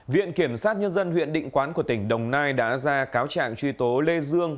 viện kiểm sát nhân dân huyện định quán của tỉnh đồng nai đã ra cáo trạng truy tố lê dương